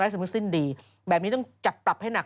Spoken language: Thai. รัฐสำคัญสิ้นดีแบบนี้ต้องจับปรับให้หนัก